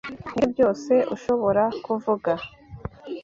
Nibyo byose ushobora kuvuga?